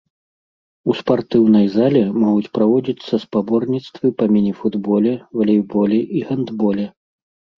У спартыўнай зале могуць праводзіцца спаборніцтвы па міні-футболе, валейболе і гандболе.